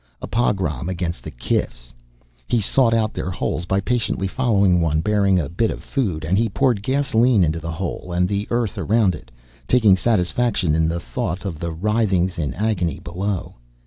A pogrom against the kifs. He sought out their holes by patiently following one bearing a bit of food, and he poured gasoline into the hole and the earth around it, taking satisfaction in the thought of the writhings in agony below.